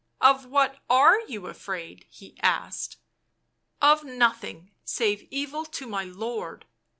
" Of what are you afraid ?" he asked. " Of nothing save evil to my lord."